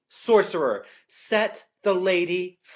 _ Sorcerer, set the lady free!'